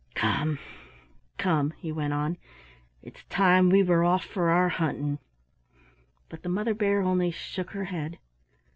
Come, come," he went on, "it's time we were off for our hunting." But the Mother Bear only shook her head.